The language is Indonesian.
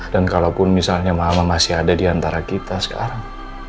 dan kalaupun misalnya mama masih ada diantara kita sekarang